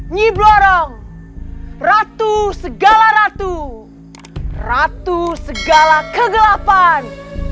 nyi bloro ratu segala ratu ratu segala kegelapan